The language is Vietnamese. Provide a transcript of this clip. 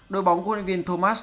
đội bóng của lợi viên thomas